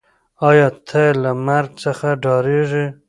آیا ته له مرګ څخه ډارېږې؟